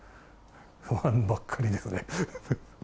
不安ばっかりですね。